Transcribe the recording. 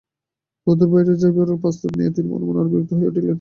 বধূর যাইবার প্রস্তাবে তিনি মনে মনে আরো বিরক্ত হইয়া উঠিলেন।